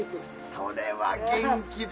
それは元気だ。